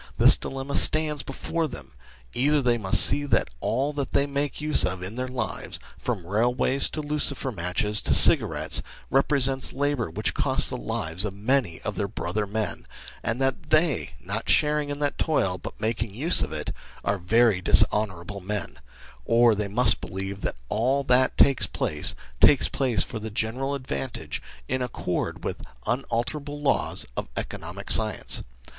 This dilemma stands ECONOMISTS AFFIRM WHAT IS FALSE 51 before them : either they must see that all that they make use of in their lives, from railways to lucifer matches and cigarettes, represents labour which costs the lives of many of their brother men, and that they, not sharing in that toil but making use of it, are very dishonourable men ; or they must believe that all that takes place, takes place for the general advantage, in accord with unalterable laws of economic science.